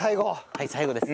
はい最後です。